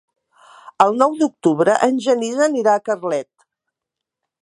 El nou d'octubre en Genís anirà a Carlet.